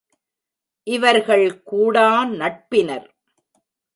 இவர்கள் கூடா நட்பினர்.